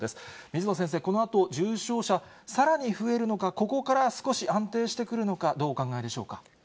水野先生、このあと重症者、さらに増えるのか、ここから少し安定してくるのか、どうお考えでしょうか。